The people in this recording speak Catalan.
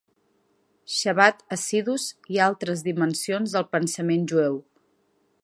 Chabad Hasidus i altres dimensions del pensament jueu.